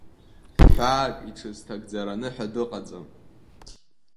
Ҳәаак иҽизҭагӡараны ҳәа дыҟаӡам.